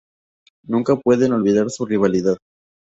Nunca pueden olvidar su rivalidad.